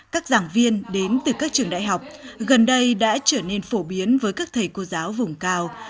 các giảng viên đến từ các trường đại học gần đây đã trở nên phổ biến với các thầy cô giáo vùng cao